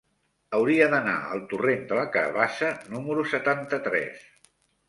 Hauria d'anar al torrent de la Carabassa número setanta-tres.